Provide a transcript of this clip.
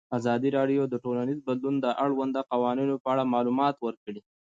ازادي راډیو د ټولنیز بدلون د اړونده قوانینو په اړه معلومات ورکړي.